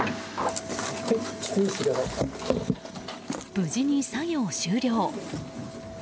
無事に作業終了！